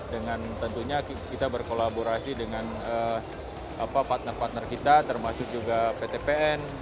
dengan tentunya kita berkolaborasi dengan partner partner kita termasuk juga pt pn